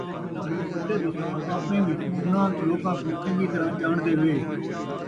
اَتے تُساں آپڑیں وِچوں دے اُنھاں لوکاں کوں چنگی طرح ڄاݨدے وے،